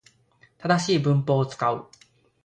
正しい文法を使う